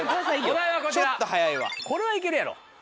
お題はこちらこれはいけるやろ。